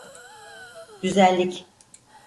Güzellik.